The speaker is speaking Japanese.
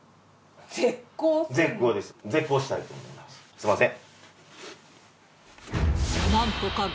すいません。